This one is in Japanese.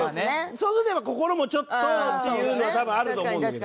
そうすると心もちょっとっていうのは多分あると思うんだけど。